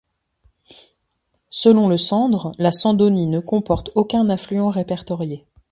Selon le Sandre, la Sandonie ne comporte aucun affluent répertorié.